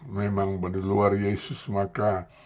memang di luar yesus maka